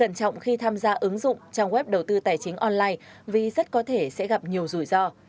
cẩn trọng khi tham gia ứng dụng trang web đầu tư tài chính online vì rất có thể sẽ gặp nhiều rủi ro